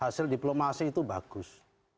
hasil diplomasi itu bagus